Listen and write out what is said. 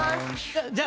じゃあ。